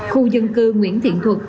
khu dân cư nguyễn thiện thuật